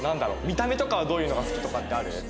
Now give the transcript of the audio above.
見た目とかはどういうのが好きとかってある？